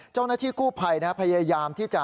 เจ้านักที่คู่ภัยนะครับพยายามที่จะ